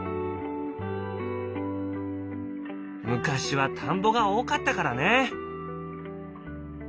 昔は田んぼが多かったからね。